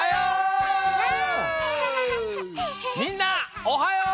みんなおはよう！